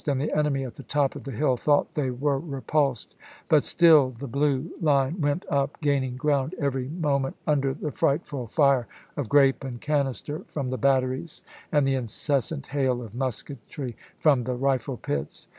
and the enemy at the top of the hill thought they were repulsed; but still the blue line went up, gaining ground every moment, under the frightful fire of grape and canister from the batteries, and the incessant hail of musketry from the rifle pits.